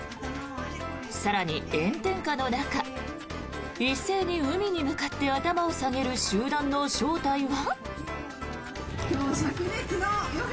更に、炎天下の中一斉に海に向かって頭を下げる集団の正体は。